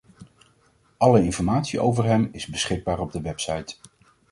Alle informatie over hem is beschikbaar op de website.